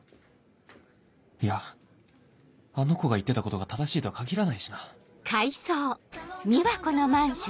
いやあの子が言ってたことが正しいとは限らないしな